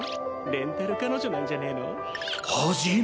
レンタル彼女なんじゃねぇの？